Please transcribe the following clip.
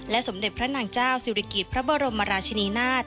สมเด็จพระนางเจ้าศิริกิจพระบรมราชนีนาฏ